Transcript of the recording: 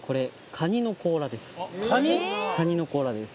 カニの甲羅です